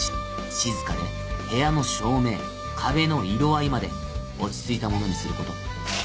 静かで部屋の照明壁の色合いまで落ち着いたものにすること。